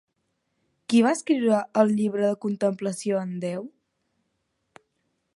Qui va escriure El Llibre de contemplació en Déu?